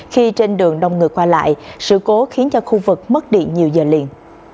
khi trên đường đông người qua lại sự cố khiến cho khu vực mất điện nhiều giờ liền